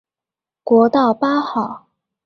國道八號